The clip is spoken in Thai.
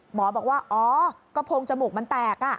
หมอบอกว่าอ๋อกระโพงจมูกมันแตก